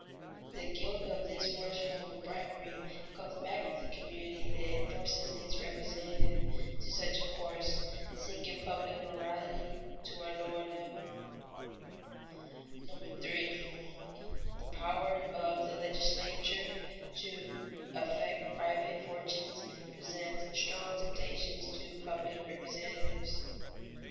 The guilt of this worst form of bribery comes back to the community that forces its representatives to such a course, sinking public morality to a lower level. [Sidenote: Political corruption in industrial legislation] 3. _The power of the legislature to affect private fortunes presents strong temptations to public representatives.